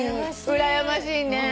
うらやましいね。